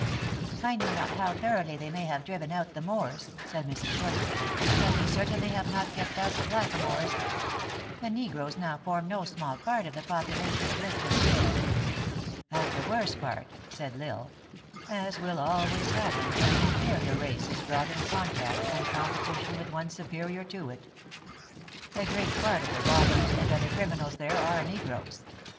" I know not how thoroughly they may have driven out the Moors," said Mrs. Shortridge, " but they cer tainly have not kept out the black a moors. The ne groes now form no small part of the population of Lisbon." " And the worst part," said L Tsle ;" as will always happen when an inferior race is brought in contact and competition with one superior to it. A great part of the robbers, and other criminals there, are negroes.